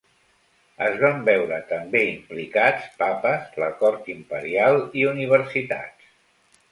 Es van veure també implicats papes, la cort imperial i universitats.